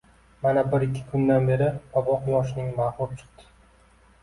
Mana bir-ikki kundan beri bobo quyoshning magʻrur chiqdi.